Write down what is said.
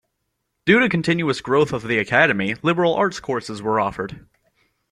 Due to continuous growth of the Academy, liberal arts courses were offered.